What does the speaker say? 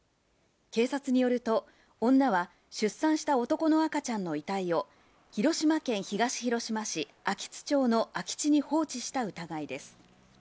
警察によると、女は出産した男の赤ちゃんの遺体を広島県東広島市安芸津町の空き地に放置した疑いです。